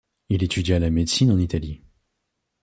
Il étudia la médecine en Italie.